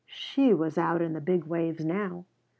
She was out in the big waves now.